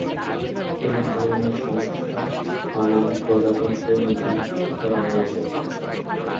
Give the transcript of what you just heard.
এই ধরনের সমস্যা পানাম প্রজাতন্ত্রে নথিভুক্ত করা হয়েছে।